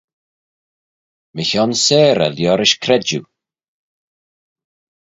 Mychione seyrey liorish credjue.